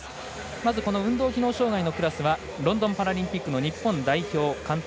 まず、運動機能障がいのクラスはロンドンパラリンピックの日本代表監督